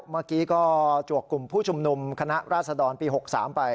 เมื่อกี้ก็จวกกลุ่มผู้ชุมนุมคณะราษฎรปี๖๓ไป